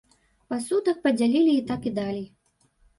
Пасудак падзялілі і так і далей.